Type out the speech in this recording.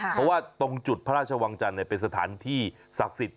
เพราะว่าตรงจุดพระราชวังจันทร์เป็นสถานที่ศักดิ์สิทธิ